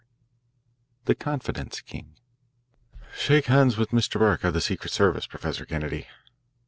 V THE CONFIDENCE KING "Shake hands with Mr. Burke of the secret service, Professor Kennedy."